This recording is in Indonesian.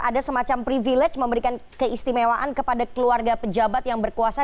ada semacam privilege memberikan keistimewaan kepada keluarga pejabat yang berkuasa